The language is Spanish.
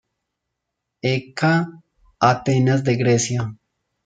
E. K. Atenas de Grecia.